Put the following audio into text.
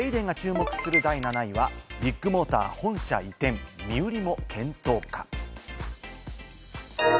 そして『ＤａｙＤａｙ．』が注目する第７位はビッグモーター本社移転、身売りも検討か。